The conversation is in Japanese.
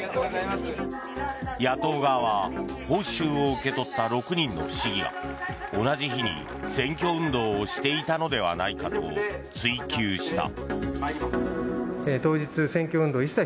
野党側は報酬を受け取った６人の市議が同じ日に選挙運動をしていたのではないかと追及した。